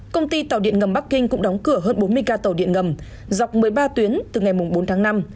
công ty tàu điện ngầm bắc kinh cũng đóng cửa hơn bốn mươi ca tàu điện ngầm dọc một mươi ba tuyến từ ngày bốn tháng năm